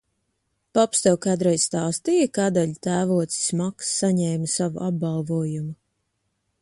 Paps tev kādreiz stāstīja, kādēļ tēvocis Maks saņēma savu apbalvojumu?